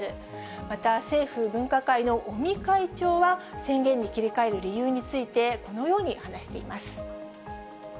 また、政府分科会の尾身会長は、宣言に切り替える理由について、このように話しています。